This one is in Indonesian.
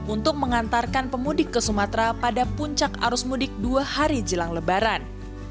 untuk mengantarkan pemudik ke sumatera pada puncak arus mudik dua hari jelang lebaran